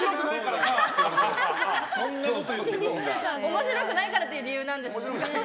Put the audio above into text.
面白くないからっていう理由なんですね。